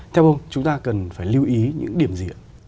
theo ông chúng ta cần phải lưu ý những điểm gì ạ